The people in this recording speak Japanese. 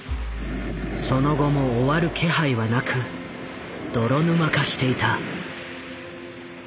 その後も終わる気配はなく泥沼化していた。